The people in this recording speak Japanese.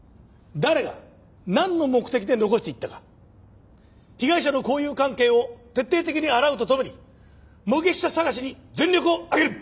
誰がなんの目的で残していったか被害者の交友関係を徹底的に洗うとともに目撃者捜しに全力を挙げる！